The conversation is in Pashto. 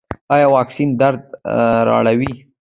ایا واکسین درد راوړي؟